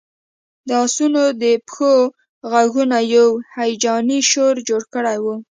د آسونو د پښو غږونو یو هیجاني شور جوړ کړی و